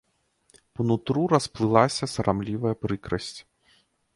Па нутру расплылася сарамлівая прыкрасць.